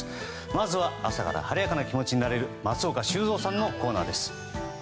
まずは朝から晴れやかな気持ちになれる松岡修造さんのコーナーです。